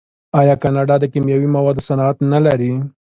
آیا کاناډا د کیمیاوي موادو صنعت نلري؟